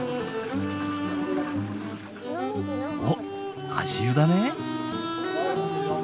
おっ足湯だね。